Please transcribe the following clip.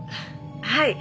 はい。